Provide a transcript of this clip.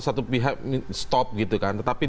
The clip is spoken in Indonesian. satu pihak stop gitu kan tetapi